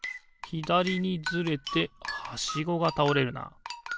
ひだりにずれてはしごがたおれるな。